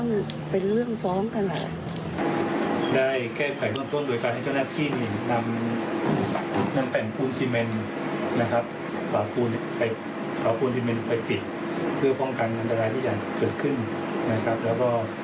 ในเรื่องต้นก็คือถามว่าจะช่วยเหลือได้ไหม